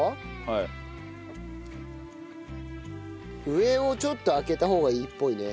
上をちょっと空けた方がいいっぽいね。